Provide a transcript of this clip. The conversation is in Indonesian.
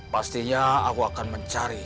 pastinya aku akan mencari